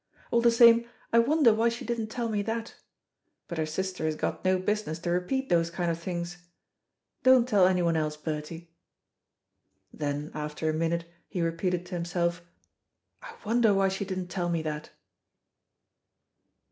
All the same I wonder why she didn't tell me that. But her sister has got no business to repeat those kind of things. Don't tell anyone else, Bertie." Then after a minute he repeated to himself, "I wonder why she didn't tell me that."